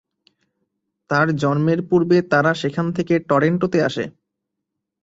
তার জন্মের পূর্বে তারা সেখান থেকে টরন্টোতে আসে।